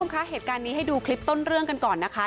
คุณผู้ชมคะเหตุการณ์นี้ให้ดูคลิปต้นเรื่องกันก่อนนะคะ